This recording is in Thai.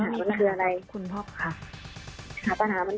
หนูรู้เลยว่าพ่อต้องการอะไร